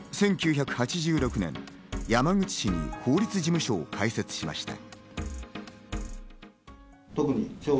１９８６年、山口市に法律事務所を開設しました。